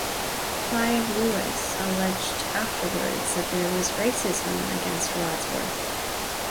Clive Lewis alleged afterwards that there was racism against Wadsworth.